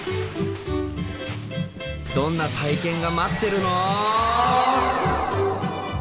どんな体験が待ってるの？